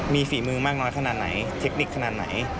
มีฝีมือมากน้อยขนาดไหนเทคนิคขนาดไหน